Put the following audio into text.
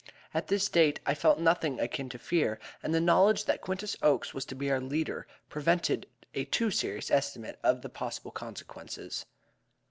At this date I felt nothing akin to fear, and the knowledge that Quintus Oakes was to be our leader prevented a too serious estimate of the possible consequences.